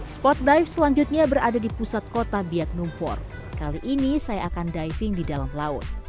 spot dive selanjutnya berada di pusat kota biak numpor kali ini saya akan diving di dalam laut